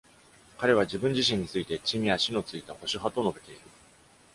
彼は自分自身について、「地に足の着いた保守派」と述べている。